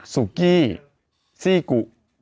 สุกี้ซี่กุ